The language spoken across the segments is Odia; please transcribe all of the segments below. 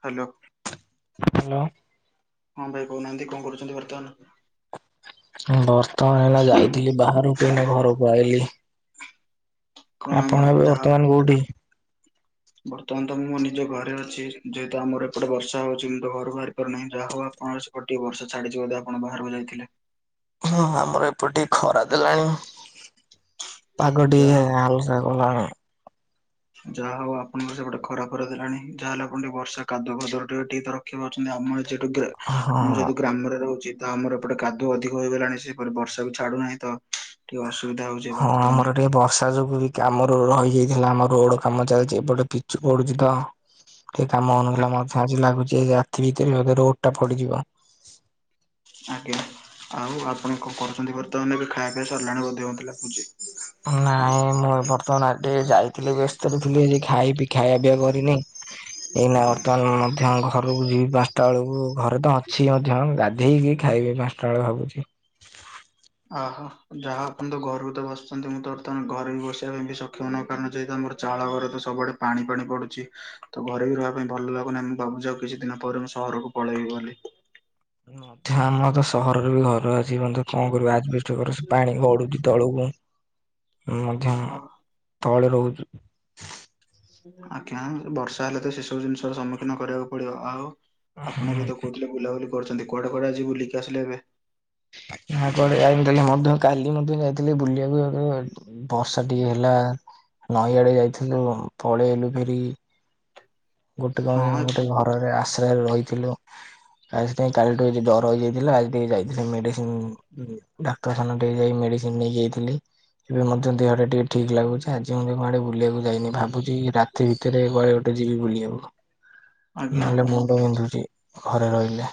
ହ୍ୟାଲୋ। ହ୍ୟାଲୋ। ହଁ ଭାଇ କହୁନାହାନ୍ତି କଣ କରୁଚନ୍ତି ବର୍ତ୍ତମାନ? ହୁଁ ବର୍ତ୍ତମାନ ହେଲା ଯାଇଥିଲି ବାହାରୁକୁ ଏଇନା ଘରକୁ ଆଇଲି। ହଁ ଆପଣ ଏବେ ବର୍ତ୍ତମାନ କୋଉଠି? ହଁ ବର୍ତ୍ତମାନ ତ ମୁଁ ମୋ ନିଜ ଘରେ ଅଛି। ଯେହେତୁ ଆମର ଏପଟେ ବର୍ଷା ହଉଚି ମୁଁ ତ ଘରୁ ବାହାରି ପାରୁନାହିଁ ଯାହା ହଉ ଆପଣ ଗୋଟିଏ ବର୍ଷ ଛାଡ଼ିଛି ବୋଧେ ଆପଣ ବାହାରୁକୁ ଯାଇଥିଲେ। ହଁ ହଁ ଆମର ଏପଟ୍ ଟିକେ ଖରା ଦେଲାଣି। ପାଗଟି ଯାହା ହାଲକା କଲାଣି। ଯାଆ ହଉ ଆପଣଙ୍କର ସେପଟେ ଖରା ଫରା ଦେଲାଣି ଯାହାହେଲେ ଆପଣ ଟିକେ ବର୍ଷା କାଦୁଅ ଫାଦୁଅରୁ ଟିକେ ଟିକେ ତ ରକ୍ଷା ପାଉଛନ୍ତି ଆମେମାନେ ସେଇଠୁ ଗ୍ରା, ମୁଁ ହଁ। ଯେହେତୁ ଗ୍ରାମରେ ରହୁଚି। ତ ଆମର ଏପଟେ କାଦୁଅ ଅଧିକ ହୋଇଗଲାଣି ସେପଟେ ବର୍ଷା ବି ଛାଡୁନାହିଁ ତ। ଟିକେ ଅସୁବିଧା ହଉ ହଁ ଆମର ଟିକେ ବର୍ଷା ଯୋଗୁ ବି କାମରୁ ରହିଯାଇଥିଲା ଆମର ରୋଡ କାମ ଚାଲିଚି ଏପଟେ ପିଚୁ ପଡ଼ୁଚି ତାହା ଠିକ୍ କାମ ଆ- ଅଉନଥିଲା ମଧ୍ୟ ଆଜି ଲାଗୁଚି ଆଜି ରାତି ଭିତେରେ ରୋଡ ଟା ପଡିଯିବ। ଆଜ୍ଞା ଆଉ ଆପଣ କଣ କରୁଛନ୍ତି? ବର୍ତ୍ତମାନ ଏବେ ଖାଆ ପିଆ ସରିଲାଣି ବୋଧେ ମତେ ଲାଗୁଚି। ନାଇଁ ମୁଁ ବର୍ତ୍ତମାନ ଆଡେ ଯାଇଥିଲି ବ୍ୟସ୍ତରେ ଥିଲି ଏଇଲେ ଖାଇବି ଖାୟା ପିଆ କରିନି। ଁ ଏଇ ନା ଅର୍ ତାଏଲେ ମଧ୍ୟ ଘରୁକୁ ଯିବି ପାଞ୍ଚଟା ବେଳୁକୁ ଘର ତ ଅଛି ମଧ୍ୟ ଗାଧେଇକି ଖାଇବି ପାଞ୍ଚଟା ବେଳେ ଭାବୁଛି। ଅହୋ ଯାହା ଆପଣ ତ ଘରୁ ତ ବସିଛନ୍ତି ମୁଁ ତ ବର୍ତ୍ତମାନ ଘରେ ବି ବସିବା ପାଇଁ ବି ସକ୍ଷମ ନୁହଁ କାରଣ ଯେହେତ ମୋର ଚାଳ ଘରେ ତ ସବୁଆଡେ ପାଣି ପାଣି ପଡୁଛି ତ ଘରେ ବି ରହିବା ପାଇଁ ଭଲ ଲାଗୁନାହିଁ ମୁଁ ଭାବୁଛି ଆଉ କିଛି ଦିନ ପରେ ମୁଁ ସହରକୁ ପଳେଇବି ବୋଲି। ଅଧା ଆମର ତ ସହରରେ ବି ଘର ଆଜି ପର୍ଯ୍ୟନ୍ତ କଣ କରିବୁ ଆଜବେଷ୍ଟ ବଘର ପାଣି ଗଡୁଛି ତଳକୁ ଉଁମ ଯ ହଁ ତଳେ ରହୁଛୁ। ଆଜ୍ଞା ବର୍ଷା ହେଲେ ତ ସେ ସବୁ ଜିନିଷର ସମ୍ମୁଖୀନ କରିବାକୁ ପଡିବ ଆଉ। ଆପଣ ଏବେ ତ କହୁଥିଲେ ବୁଲାବୁଲି କରିଛନ୍ତି କୁଆଡେ କୁଡେ ଆଜି ବୁଲିକି ଆସିଲେ ଏବେ? ତାପରେ ଆଇଥିଲେ ମଧ୍ୟ କାଲି ମଧ୍ୟ ଯାଇଥିଲେ ବୁଲିବାକୁ। କୁ ବର୍ଷା ଟିକେ ହେଲା ନଈ ଆଡେ ଯାଇଥିଲୁ ପଳେଇଲୁ ଫେରି। ଗୋଟେ କଣରେ ହଁ ଗୋଟେ ଘରରେ ଆଶ୍ରୟରେ ରହିଥିଲୁ। ଆାଜି ପାଇଁ କାଲିଠୁ ଡର ହେଇଯାଇଥିଲା ଆଜି ଟିକେ ଯାଇଥିଲି ମେଡ଼ିସିନ ଡାକ୍ତରଖାନା ଟିକେ ଯାଇ ମେଡିସିନ ନେଇ ଆଇଥିଲି। ଏବେ ମଧ୍ୟ ଦେହଟା ଟିକେ ଠିକ ଲାଗୁଛି ଆଜି ମୁଁ ଯ କୁଆଡେ ବୁଲିବାକୁ ଯାଇନି ଭାବୁଛି ରା ଟି ଭିତରେ କୁଆଡେ ଗଟେ ଯିବି ବୁଲି। [unintelligible] ଆଜ୍ଞା ନହେଲେ ମୁଣ୍ଡ ବିନ୍ଧୁଛି ଘରେ ରହିଲେ।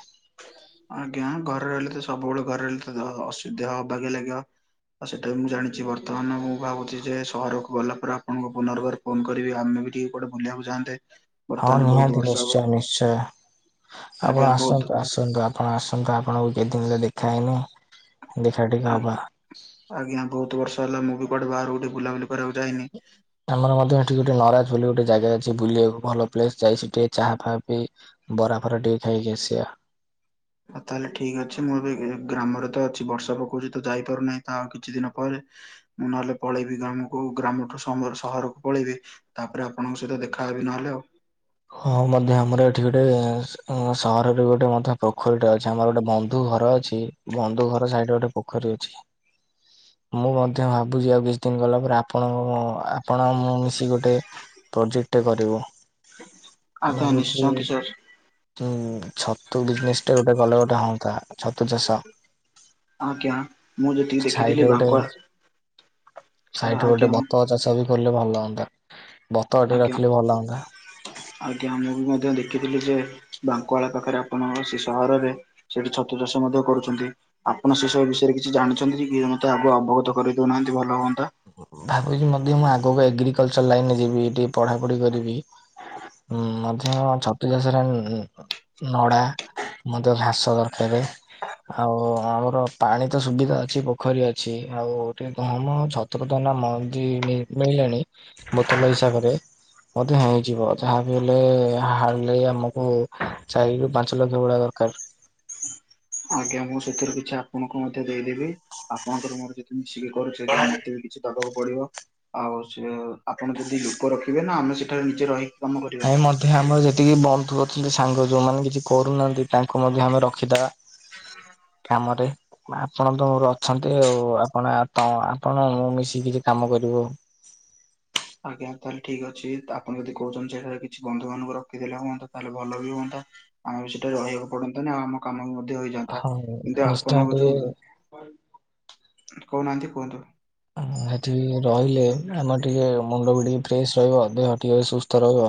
ଆଜ୍ଞା ଘରେ ରହିଲେ ତ ସବୁବେଳେ ଘରେ ହେଲେ ଅସୁଧ ଅବେଗା ଲାଗିବ। ଆଉ ସେଇଟା ବି ମୁଁ ଜାଣିଛି ବର୍ତ୍ତମାନ ମୁଁ ଭାବୁଛି ଯେ ସହରକୁ ଗଲା ପରେ ଆପଣଙ୍କ ପୁନର୍ବାର। ଫୋନ କରିବି ଆମେ ବି ଟିକେ କୁଆଡେ ବୁଲିବାକୁ ଯାହାନ୍ତେ। ହଁ ନିହାତି ନିଶ୍ଚୟ ନିଶ୍ଚୟ ଆପଣ ଆଜ୍ଞା ବହୁତ ଆସନ୍ତୁ ଆସନ୍ତୁ। ଆସନ୍ତୁ ଆପଣ ଆସନ୍ତୁ ଆପଣଙ୍କୁ କେତେ ଦିନରେ ଦେଖା ହେଇନି ଦେଖା ଟିକେ ଆ- ହବା। ଆଜ୍ଞା ବହୁତ ବର୍ଷ ହେଲା ମୁଁ ବି କୁଆଡେ ବାହାର କୁ ବୁଲାବୁଲି କରିବାକୁ ଯାଇନି। ଆମର ମଧ୍ୟ ଏଠି ଗୋଟେ ନରାଜ ବୋଲି ଗୋଟେ ଜାଗା ଅଛି ବୁଲିବାକୁ ଭଲ ପ୍ଲେସ ଯାଇ ସେଠି ଚା ଫା ପିଇ ବରାଫରା ଟିକେ ଖାଇକି ଆସିବା। ହଉ ତାହେଲେ ଠିକ ଅଛି ମୁଁ ଏବେ ଗ୍ରାମରେ ତ ଅଛି ବର୍ଷା ପକଉଛି ତ ଯାଇପାରୁନାହିଁ ତ ଆଉ କିଛି ଦିନ ପରେ ମୁଁ ନହେଲେ ପଳେଇବି ଗ୍ରାମକୁ ଗ୍ରାମଠୁ ସମ ସହରକୁ ପଳେଇବି। ତାପରେ ଆପଣଙ୍କ ସହିତ ଦେଖାେ ହେବି ନହେଲେ ଆଉ। ହଁ ମଧ୍ୟ ଆମର ଏଠି ଗୋଟେ ଉଁ ସହରରେ ଗୋଟେ ମଧ୍ୟ ପୋଖରୀଟା ଅଛି ଆମର ଗୋଟେ ବନ୍ଧୁ ଘର ଅଛି। ବନ୍ଧୁ ଘର ସାଇଡରେ ଗୋଟେ ପୋଖରୀ ଅଛି। [inaudible] ମୁଁ ମଧ୍ୟ ଭାବୁଛି ଆଉ କିଛି ଦିନ ଗଲା ପରେ ଆପଣ ଆପଣ ମୁଁ ମିଶି ଗୋଟେ ପ୍ରୋଜେକ୍ଟ କରିବୁ ଆଜ୍ଞା ଭାବୁଛି ନିଶ୍ଚୟ କିଶୋର ହୁଁ ଛତୁ ବିଜନେସ ଟା ଗୋଟେ ଗଲେ ଗୋଟେ ହଅନ୍ତା ଛତୁ ଚାଷ। ଆଜ୍ଞା ମୁଁ ଯେତିକି ସାଇଡରେ ଦେଖିଥିଲି ଗୋଟେ ବାଙ୍କଡ଼ ସାଇଡରେ ଗୋଟେ ଆଜ୍ଞା। ବତକ ଚାଷ ବି କଲେ ଭଲ ହୁଅନ୍ତା ବତକ ଟେ ଆଜ୍ଞା ରଖିଲେ ଭଲ ହୁଅନ୍ତା। ଆଜ୍ଞା ମୁଁ ବି ମଧ୍ୟ ଦେଖିଥିଲି ଯେ ବାଙ୍କୱଳା ପାଖରେ ଆପଣଙ୍କ ସେଇ ସହରରେ ସେଇଠି ଛତୁ ଚାଷ ମଧ୍ୟ କରୁଛନ୍ତି। ଆପଣ ସେ ସବୁ ବିଷୟରେ କିଛି ଜାଣିଛନ୍ତି କି କି ଜେ ଆଗକୁ ଅବଗତ କରିଦଉନାହାନ୍ତି ଭଲ ହୁଅନ୍ତା। ଭାବୁଛି ମଧ୍ୟ ମୁଁ ଆଗକୁ ଏଗ୍ରିକଲଚର ଲାଇନ ରେ ଯିବି ଟିକେ ପଢାପଢି କରିବି। ହଁ ମଧ୍ୟ ଛତୁ ଚାଶରେ ଉଁ ନଡ଼ା ମଧ୍ୟ ଘାସ ଦରକାର। ଆଉ ଆଉର ପାଣି ତ ସୁବିଧା ଅଛି ପୋଖରୀ ଅଛି ଆଉ ଟିକେ ଗମ ଛତ ତ [unintelligible] ମଞ୍ଜି ମିଳିଲାଣି ବୋତଲ ହିସାବରେ। ମଧ୍ୟ୍ୟ ହେଇଯିବ ଯାହା ବି ହେଲେ ହାରଲି ଆମକୁ ଚାରି ରୁ ପାଞ୍ଚ ଲକ୍ଷ ଭଳିଆ ଦରକାର। ଆଜ୍ଞା ମୁଁ ସେଥିରେ କିଛି ଆପଣଙ୍କୁ ମଧ୍ୟ ଦେଇଦେବି ଆପଣଙ୍କର ମୋର କି ମିଶିକି କରୁ ସେଇଟା ମୋତେ ବି କିଛି ଦବାକୁ ପଡିବ ଆଉ ସିଏ ଆପଣ ଯଦି ଲୋକ ରଖିବେ ନା ଆମେ ସେଠାରେ ନିଜେ ରହି ଆଇ ମଧ୍ୟ ଆମର ଯେତିକି ବନ୍ଧୁ ଅଛନ୍ତି ସାଙ୍ଗ ଯୋଉମାନେ କିଛି କରୁନାହାନ୍ତି ତାଙ୍କୁ ମଧ୍ୟ ଆମେ ରଖିଥା କାମରେ ଆପଣ ତ ମୋର ଅଛନ୍ତି ଆଉ ଆପଣ ତ ଆପଣ ମୁଁ ମିଶିକି କିଛି କାମ କରିବୁ ଆଉ। ଆଜ୍ଞା ତାହେଲେ ଠିକ୍ ଅଛି ଆପଣ ଯଦି କହୁଛନ୍ତି ସେଠାରେ କିଛି ବନ୍ଧୁ ମାନଙ୍କୁ ରଖିଦେଲେ ହୁଅନ୍ତା ତାହେଲେ ଭଲ ବି ହୁଅନ୍ତା। ଆମେ ବି ସେଟା ରେ ରହିବାକୁ ପଡ଼ନ୍ତାନି ଆଉ ଆମ କାମ ବି ମଧ୍ୟ ହୋଇଯାନ୍ତା ହଁ କିନ୍ତୁ ନିଶ୍ଚୟ ଆପଣଙ୍କ ଯୋଉ ଟିକେ କହୁନାହାନ୍ତି କୁହନ୍ତୁ। ହେଠି ରହିଲେ ଆମର ଟିକେ ମୁଣ୍ଡ ବି ଟିକେ ଫ୍ରେସ୍ ରହିବ ଦେହ ଟିକେ ସୁସ୍ଥ ରହିବ।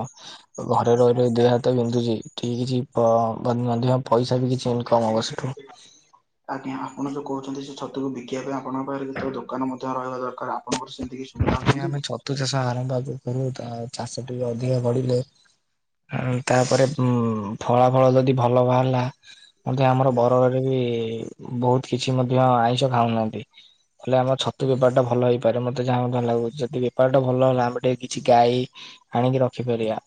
ଘରେ ରହିଲେ ଦେହ ହାତ ବିନ୍ଧୁଚି [unintelligible] କିଛି ପ ମଧ୍ୟ ପଇସା ବି କିଛି ଇନକମ୍ ହବ ସେ [inaudible] ଆଜ୍ଞା ଆପଣ ଯୋଉ କହୁଛନ୍ତି ସେ ଛତୁକୁ ବିକିବା ପାଇଁ ଆପଣଙ୍କ ପାଖରେ ତ ଦୋକାନ ମଧ୍ୟ ରହିବା ଦରକାର ଆପଣଙ୍କର ସେ [unintelligible] ସୁବିଧା ଯଦି ଅଛନ୍ତି ଆମେ କି? ଛତୁ ଚାଷ ଆରମ୍ଭ ପୂର୍ବରୁ ତା ଚାଷ ଟିକେ ଅଧିକ ବଢ଼ିଲେ ହୁଁ ତାପରେ ଉଁ ଫଳା ଫଳ ଯଦି ଭଲ ବାହାରିଲା ମଧ୍ୟ ଆମର ବରଗଡ଼ ରେ ବି ବହୁତ୍ କିଛି ମଧ୍ୟ ଆଇଁଷ ଖାଉନାହାନ୍ତି। ହେଲେ ଆମ ଛତୁ ବେପାରଟା ଭଲ ହେଇପାରେ ମ ମତେ ଯାହା ଭଲ ଲାଗୁଛି ଯଦି ବେପାର ଟା ଭଲ ହେଲା ଆମେ ଟିକେ କିଛି ଗାଈ ଆଣିକି ରଖିପାରିବା।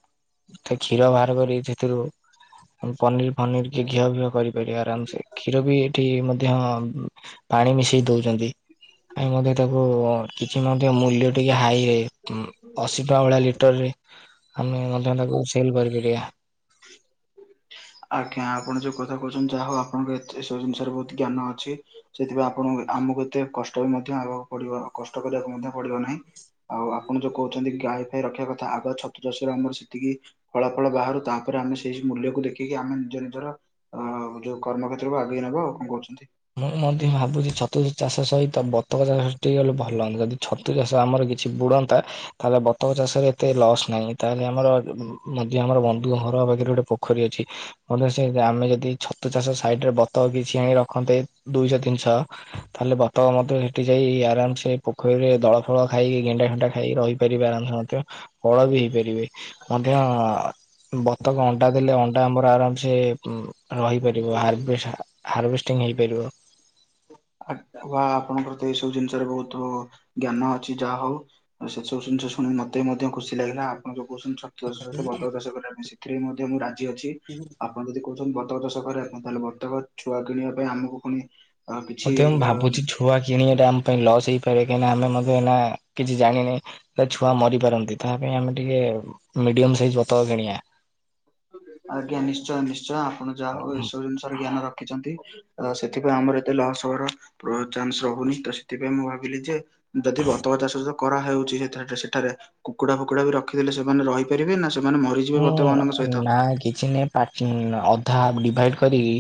ସ [unintelligible] କ୍ଷୀର ବାହାର କରି ସେଥିରୁ ପନିର୍ ଫନିର୍ କିଏ ଘିଅ [unintelligible] କରି କରି ଆରାମସେ କ୍ଷୀର ବି ଏଠି ମଧ୍ୟ ପାଣି ମିଶେଇ ଦଉଚନ୍ତି ଆମେ ମଧ୍ୟ ତାକୁ କିଛି ମଧ୍ୟ ମୂଲ୍ୟ ଟିକେ ହାଇ ରେ ଉଁ ଅଶୀ ଟଙ୍କା ଭଳିଆ ଲିଟରରେ ଆମେ [unintelligible] ଆଜ୍ଞା ଆପଣ ଯୋଉ କଥା କହୁଛନ୍ତି ଯାହା ହଉ ଆପଣଙ୍କୁ ଏତେ ସବୁ ଜିନିଷରେ ବହୁତ୍ ଜ୍ଞାନ ଅଛି। ସେଥିପାଇଁ ଆପଣଙ୍କୁ ଆମକୁ ଏତେ କଷ୍ଟ ବି ମଧ୍ୟ ହେବାକୁ ପଡ଼ିବ କଷ୍ଟ କରିବାକୁ ମଧ୍ୟ ପଡ଼ିବ ନାହିଁ। ଆଉ ଆପଣ ଯୋଉ କହୁଛନ୍ତି ଗାଈ ଫାଇ ରଖିବା କଥା ଆଗ ଛତୁଚାଷ ରେ ଆମର ସେତିକି ଫଳା ଫଳ ବାହାରୁ ତାପରେ ଆମେ ସେଇ ମୂଲ୍ୟକୁ ଦେଖି କି କି ଆମେ ନିଜ ନିଜର ଆ ଯୋଉ କର୍ମ କ୍ଷେତ୍ରକୁ ଆଗେଇ ନେବା ଆଉ କଣ କହୁଛନ୍ତି? ମୁଁ ମଧ୍ୟ ଭାବୁଛି ଛତୁ ଚାଷ ସହିତ ବତକ ଚାଷ ଟିକେ [unintelligible] ଭଲ ହୁଅନ୍ତା ଯଦି ଛ ଛତୁ ଚାଷ ଆମର କିଛି ବୁଡ଼ନ୍ତା ତାହେଲେ ବତକ ଚାଷରେ ଏତେ ଲସ୍ ନାହିଁ ତାହେଲେ ଆମର ମଧ୍ୟ ଆମର ବନ୍ଧୁ ଘର ପାଖରେ ଗୋଟେ ପୋଖରୀ ଅଛି। [unintelligible] ସେ ଆମେ ଯଦି ଛତୁ ଚାଷ ସାଇଡ଼ରେ ବତକ କିଛି ଆଣି ରଖନ୍ତେ। ଦୁଇଶହ ତିନିଶହ ତାହଲେ ବତକ ମଧ୍ୟ ସେଠି ଯାଇ ଆରାମ ସେ ପୋଖରୀରେ ଦଳ ଫଳ ଖାଇ ଗେଣ୍ଡା ଫେଣ୍ଡା ଖାଇ ରହିପାରିବେ ଆରାମସେ ମଧ୍ୟ ଫଳ ବି ହେଇପାରିବେ। ମଧ୍ୟ ବତକ ଅଣ୍ଡା ଦେଲେ ଅ ଅଣ୍ଡା ଆମର ଆରାମ ସେ ଉଁ ରହିପାରିବ ହାଭଷ୍ ହାର୍ଭେଷ୍ଟିଙ୍ଗ୍ ହେଇପାରିବ। [unintelligible] ବା ଆପଣଙ୍କର ତ ଏଇ ସବୁ ଜିନିଷରେ ବହୁତ ଜ୍ଞାନ ଅଛି ଯାହା ହଉ। ଆଉ ସେ ସବୁ ଜିନିଷ ଶୁଣିି ମତେ [unintelligible] ମଧ୍ୟ ଖୁସି ଲାଗିଲା ଆପଣ ଯୋଉ କହୁଛନ୍ତି [unintelligible] ସହିତ ବତକ ଚାଷ କରିବା ପାଇଁ ସେଥିରେ ବି ମଧ୍ୟ ମୁଁ ରାଜି ଅଛି। [inaudible] ଆପଣ ଯଦି କହୁଛନ୍ତି ବତକ ଚାଷ କରିବା ପାଇଁ ତାହେଲେ ବତକ ଛୁଆ କିଣିବା ପାଇଁ ଆମକୁ ପୁଣି ଆ କିଛି [unintelligible] ମୁଁ ଭାବୁଛି ଛୁଆ କିଣିବାଟା ଆମ ପାଇଁ ଲସ୍ ହେଇପାରେ କାହିଁକିନା ଆମେ ମଧ୍ୟେ ଏଇନା କିଛି ଜାଣିନେହିଁ। ତା ଛୁଆ ମରି ପାରନ୍ତି ତା ପାଇଁ ଆମେ ଟିକେ ମିଡିୟମ୍ ସାଇଜି ବତକ କିଣିବା। ଆଜ୍ଞା ନିଶ୍ଚୟ ନିଶ୍ଚୟ ଆପଣ ଯାହା ହଉ ଏସବୁ ଜିନିଷ ରେ ଜ୍ଞାନ ରଖ ରଖିଛନ୍ତି ଆ ସେଥିପାଇଁ ଆମର ଏତେ ଲସ୍ ହେବାର [unintelligible] ମୁଁ ଭାବିଲି ଯେ ଯଦି ବତକ ଚାଷ ଯୋଉ କରାହେଉଛି [unintelligible] ସେଠାରେ କୁକୁଡ଼ା ଫୁକୁଡ଼ା ବି ରଖିଦେଲେ ସେମାନେ ରହିପାରିବେ ନା ସେମାନେ ମରିଯିବେ ବତକ ମାନଙ୍କ ସହିତ। ନାଁ କିଛି ନାହିଁ ପାଟ୍ ଅଧା ଡିଭାଇଡ୍ କରିକି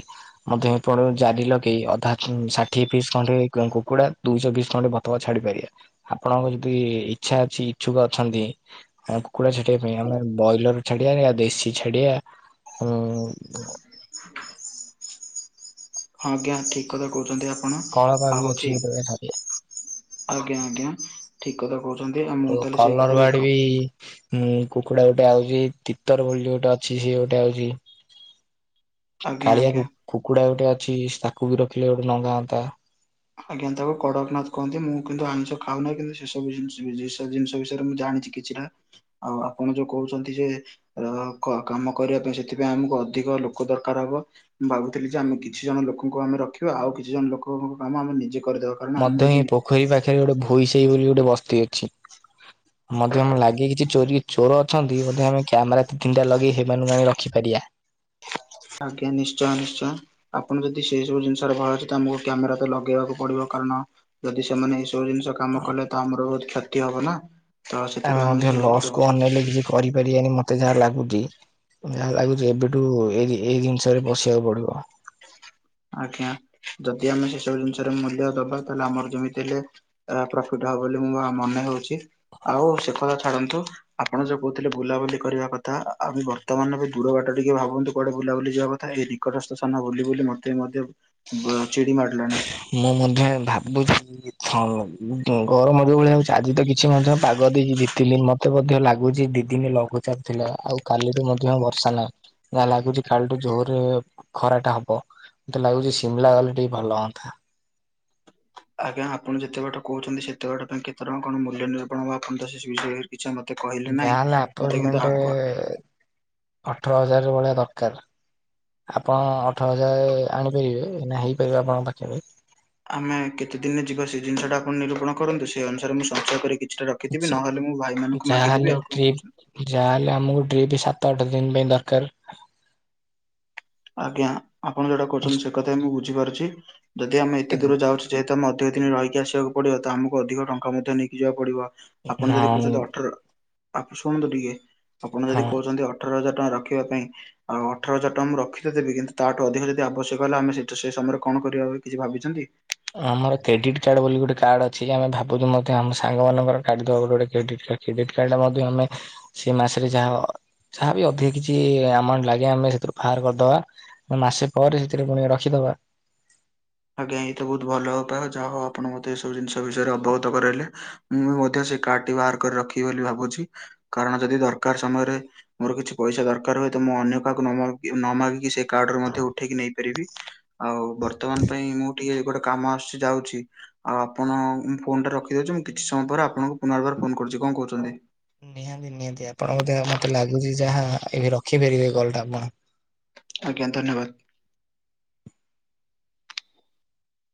ମଧ୍ୟ୍ୟ ହେପଟକୁ ଜାଲି ଲଗେଇ ଅଧା ଷାଠିଏ ପିସ୍ ଖଣ୍ଡେ କୁକୁଡ଼ା ଦୁଇଶହ ପିସ୍ ଖଣ୍ଡେ ବ ତ ଛାଡ଼ିପାରିବେ ଆପଣଙ୍କ ଯଦି ଇଚ୍ଛା ଅଛି ଇଚ୍ଛୁକ ଅଛନ୍ତି ହଁ କୁକୁଡ଼ା ଛାଡ଼ିବା ପାଇଁ ଆମେ ବ୍ରଏଲର ଛାଡ଼ିବା ନା ଦେଶୀ ଛାଡ଼ିବା ଆଉ ହଁ ଆଜ୍ଞା ଠିକ୍ କଥା କହୁଛନ୍ତି ଆପଣ କଳପା ଆ ବି ହଉ ଅଛି ଠିକ୍। ଗୋଟେ ଛାଡିବା। ଆଜ୍ଞା ଆଜ୍ଞା ଠିକ୍ କଥା କହୁଛନ୍ତି ଆଉ ମୁଁ ତାହେଲେ ସେଇ କଥାରେ ଏକ ଇ ହୁଁ କୁକୁଡ଼ା ଗୋଟେ ଆଉଛି ତିତର ବୋଲି ଗୋଟେ ଅଛି ସିଏ ଗୋଟେ ଆଉଛି। ଆଜ୍ଞା କାଳିଆ ଆଜ୍ଞା କୁ-କୁକୁଡ଼ା ଗୋଟେ ଅଛି ତାକୁ ବି ରଖିଲେ ଗୋଟେ ନଙ୍ଗା ହଅନ୍ତା। ଆଜ୍ଞା ତାକୁ କଡ଼କନାଥ କହନ୍ତି ମୁଁ କିନ୍ତୁ ଆଇଁଷ ଖାଉ ନାହିଁ କିନ୍ତୁ ସେସବୁ ଜିନିଷ ବି ଜିସ ଜିନ୍ ଷ ବିଷୟରେ ମୁଁ ଜାଣିଛି କି ଛି ହା ଆଉ ଆପଣ ଯୋଉ କହୁଛନ୍ତି ଯେ ର କ-କାମ କରିବା ପାଇଁ ସେଥିପାଇଁ ଆମକୁ ଅଧିକ ଲୋକ ଦରକାର ହବ। ମୁଁ ଭାବୁଥିଲି ଯେ ଆମେ କିଛି ଜଣ ଲୋକଙ୍କୁ ଆମେ ରଖିବା ଆଉ କିଛି ଜଣ ଲୋକଙ୍କ କାମ ଆମେ ନିଜେ କରିଦବା। ମଧ୍ୟ ହିଁ ପୋଖରୀ ପାଖରେ ଗୋଟେ ଭୋଇ ସାହୀ ବୋଲି ଗୋଟେ ବସ୍ତି ଅଛି। ମଧ୍ୟ ଆମେ ଲାଗିକି କିଛି ଚୋରି ଚୋର ଅଛନ୍ତି ମଧ୍ୟ ଆମେ କ୍ୟାମେରା ଦି ତିନିଟା ଲଗେଇକି ସେମାନଙ୍କୁ ଆଣି ରଖିପାରିବା। ଆଜ୍ଞା ନିଶ୍ଚୟ ନିଶ୍ଚୟ। ଆପଣ ଯଦି ସେ ସବୁ ଜିନିଷରେ ଭୟ ଅଛି ତ ଆମକୁ କ୍ୟାମେରା ତ ଲଗେଇବାକୁ ପଡ଼ିବ କାରଣ ଯଦି ସେମାନେ ଏ ସବୁ ଜିନିଷ କ୍ କାମ କଲେ ତ ଆମର ବୋହୁତ୍ କ୍ଷତି ହବ ନା ତ ସେଥିପାଇଁ ଆମେ ମଧ୍ୟ ସେ ଲସ୍ କୁ ଅନେଇଲେ [unintelligible] କିଛି କରିପାରିବାନି ମତେ ଯାହା ଲାଗୁଛି। ଯାହା ଲାଗୁଛି ଏବେଠୁ ଏଇ ଏଇ ଜିନିଷରେ ପସିବାକୁ ପଡ଼ିବ। ଆଜ୍ଞା ଯଦି ଆମେ ସେସବୁ ଜିନିଷର ମୂଲ୍ୟ ଦବା ତାହେଲେ ଆମର ଯେମିତି ହେଲେ ଆ ପ୍ରଫିଟ ହବ ବୋଲି ମୁଁ ବା ମନେ ହେଉଛି ଆଉ ସେ କଥା ଛାଡ଼ନ୍ତୁ ଆପଣ ଯୋଉ କହୁଥିଲେ ବୁଲାବୁଲି କରିବା କଥା ଆମେ ବର୍ତ୍ତମାନ ପାଇଁ ଦୂର ବାଟ ଟିକେ ଭାବନ୍ତୁ କୁଆଡ଼େ ବୁଲାବୁଲି ଯିବା କଥା ଏଇ ଟି ନିକଟସ୍ଥ ସ୍ଥାନ ବୁଲି ବୁଲି ମତେ ମଧ୍ୟ ବ ଚିଡ଼ି ମାଡ଼ିଲାଣି। ମୁଁ ମଧ୍ୟ ଏ ଭାବୁଥିଲି। [unintelligible] ଗରମ ଯୋଉ ଭଳିଆ ହଉଛି ଆଜି ତ କିଛି ମଧ୍ୟ ପାଗ ଦେଇଛି ଦି ତିନି ମ ତେ ମଧ୍ୟ ଲାଗୁଛି ଦି ଦିନି ଲଘୁଚାପ ଥିଲା ଆଉ କାଲିଠୁ ମଧ୍ୟ ଆଉ ବର୍ଷା ନାହିଁ। ଯାହା ଲାଗୁଛି କାଲି ଠୁ ଜୋରେ ଖରା ଟା ହବ। ମତେ ଲାଗୁଛି ସିମ୍ ଲା ଗଲେ ଟିକେ ଭଲ ହଅନ୍ତା। ଆଜ୍ଞା ଆପଣ ଯେତେ ବାଟ କହୁଛନ୍ତି ସେତେ ବାଟ ପାଇଁ କେତେ ଟଙ୍କା କଣ ମୂଲ୍ୟ ନିରୁପଣ ହେବ ଆପଣ ତ ସେ ସବୁ ବିଷୟରେ ପିଛା ମତେ କହିଲେ ନାହିଁ ଯାହାହେଲେ ମତେ ଆପାର୍ଟମେଣ୍ଟ କିନ୍ତୁ ଆଗକୁ ଅଠର ହଜାର ଭଳିଆ ଦରକାର। ଆପଣ ଅଠର ହଜାର ଆଣିପାରିବେ ନା ହେଇପାରିବ ଆପଣଙ୍କ ପାଖେରେ? ଆମେ କେତେ ଦିନରେ ଯିବା ସେ ଜିନିଷ ଟା ଆପଣ ନିରୂପଣ କରନ୍ତୁ ସେଇ ଅନୁସାରେ ମୁଁ ସଞ୍ଚୟ କରି କିଛିଟା ର ଖିଥିବି ଆଛା ନହେଲେ ମୁଁ ଭାଇମାନଙ୍କୁ ଯାହାହେଲେ ମାଗିଦେବି ଆଉ କଣ ଟ୍ରିପ୍ କହୁଛନ୍ତି? ଯାହାହେଲେ ଆମକୁ ଡିଉଟି ସାତ ଆଠ ଦିନ ପାଇଁ ଦରକାର। ଆଜ୍ଞା ଆପଣ ଯୋଉଟା କହୁଛନ୍ତି ସେ କଥା ବି ମୁଁ ବୁଝିପାରୁଛି ଯଦି ଆମେ ଏତେ ଦୂର ଯାଉଛେ ଯେହେତୁ ଆମେ ଅଧିକ ଦିନି ରହିକି ଆସିବାକୁ ପଡ଼ିବ ତ ଆମକୁ ଅଧିକ ଟଙ୍କା ମଧ୍ୟ ନେଇକି ଯିବାକୁ ପଡ଼ିବ। ଆପଣ ଯଦି ହଁ କହୁଛନ୍ତି ଅଠର ଆପ ଶୁଣନ୍ତୁ ଟିକେ ଆପଣ ଯଦି ହଁ କହୁଛନ୍ତି ଅ ଠର ହଜାର ଟଙ୍କା ରଖିବା ପାଇଁ ଆଉ ଅଠର ହଜାର ଟଙ୍କା ମୁଁ ରଖି ତ ଦେବି କିନ୍ତୁ ତାଠୁ ଅଧିକ ଯଦି ଆବଶ୍ୟକ ହେଲା ଆମେ ସେଟା ସେ ସମୟରେ କଣ କରିବା ବି କିଛି ଭାବିଛନ୍ତି? ଅଁ ଆମର କ୍ରେଡିଟ୍ କାର୍ଡ ବୋଲି ଗୋଟେ କାର୍ଡ ଅଛି ଆମେ ଭାବୁଛୁ ମଧ୍ୟ ଆମ ସାଙ୍ଗମାନଙ୍କର କାଢି଼ଦବା ଗୋଟେ ଗୋଟେ କ୍ରେଡିଟ୍ କା କ୍ରେଡିଟ କାର୍ଡ ରେ ମଧ୍ୟ ଆମେ ସେଇ ମାସରେ ଯାହା ଅ ଯାହାବି ଅଧିକ କିଛି ଆମାଉଣ୍ଟ ଲାଗିବ ଆମେ ସେଥିରୁ ବାହାର କରିଦବା। ଉଁ ମାସେ ପରେ ସେଥିରେ ପୁଣି ରଖିଦବା। ଆଜ୍ଞା ଏଇତ ବୋହୁତ୍ ଭଲ ଉପାୟ ଯାହା ହୋଉ ଆପଣ ମତେ ଏ ସବୁ ଜିନିଷ ବିଷୟରେ ଅବଗତ କରାଇଲେ। ମୁଁ ବି ମଧ୍ୟ ସେ କାର୍ଡ ଟି ବାହାର କରି ରଖିବି ବୋଲି ଭାବୁଛି କାରଣ ଯଦି ଦରକାର ସମୟରେ ମୋର କିଛି ପଇସା ଦରକାର ହୁଏ ତ ମୁଁ ଅନ୍ୟ କାହାକୁ ନ ମାଗିକି ନ ମାଗିକି ସେ କାର୍ଡରୁ ମଧ୍ୟ ଉଠେଇକି ନେଇ ପାରିବି। ଆଉ ବର୍ତ୍ତମାନ ପାଇଁ ମୁଁ ଟିକେ ଗୋଟେ କାମ ଆସଛି ଯାଉଛି। ଆଉ ଆପଣ ମୁଁ ଫୋନ ଟା ରଖିଦଉଛି ମୁଁ କିଛି ସମୟ ପରେ ଆପଣଙ୍କୁ ପୁନର୍ବାର ଫୋନ କରୁଛି କଣ କହୁଛନ୍ତି? ନିହାତି ନିହାତି ଆପଣ ବୋଧେ ଆ ମତେ ଲାଗୁଛି ଯାହା ଏବେ ରଖିପାରିବେ କଲ୍ ଟା ଆପଣ। ଆଜ୍ଞା ଧନ୍ୟବାଦ।